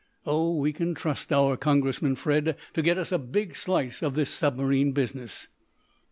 Oh, we can trust our Congressmen, Fred, to get us a big slice of this submarine business."